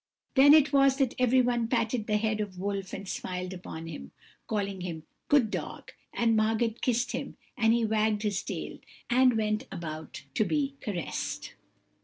Then it was that everyone patted the head of Wolf and smiled upon him, calling him 'Good dog'; and Margot kissed him, and he wagged his tail, and went about to be caressed.